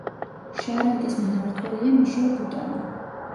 შარანტის მმართველია მიშელ ბუტანი.